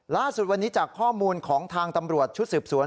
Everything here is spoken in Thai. ล่าสุดวันนี้จากข้อมูลของทางตำรวจชุดสืบสวน